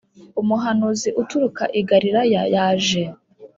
umuhanuzi uturuka i Galilaya yaje